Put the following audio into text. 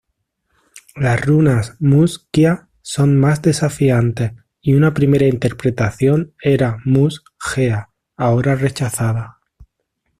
Las runas '"mus:kia'" son más desafiantes y una primera interpretación era "Mus-Gea", ahora rechazada.